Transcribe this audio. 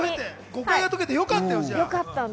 誤解が解けてよかったよ。